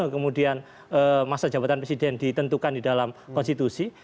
kemudian masa jabatan presiden ditentukan di dalam konstitusi